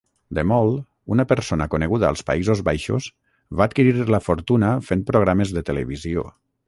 De Mol, una persona coneguda als Països Baixos, va adquirir la fortuna fent programes de televisió.